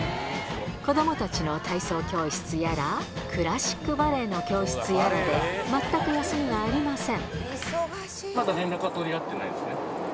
子供たちの体操教室やらクラシックバレエの教室やらで全く休みがありません